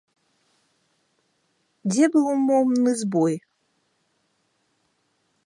Дзе быў умоўны збой?